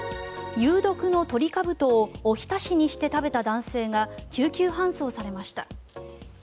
有毒のトリカブトをおひたしにして食べた男性が救急搬送されました。